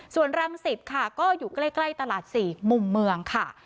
ส่วนรำศิษฐ์ค่ะก็อยู่ใกล้ใกล้ตลาดสี่มุ่งเมืองค่ะ